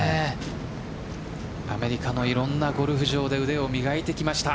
アメリカのいろんなゴルフ場で腕を磨いてきました。